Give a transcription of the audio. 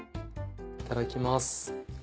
いただきます。